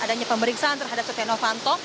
adanya pemeriksaan terhadap setia novanto